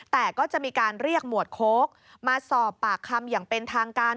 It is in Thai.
แต่ก็จะมีการเรียกหมวดโค้กมาสอบปากคำอย่างเป็นทางการ